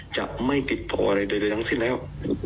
จะไม่ติดต่ออะไรใดทั้งสิ้นแล้ว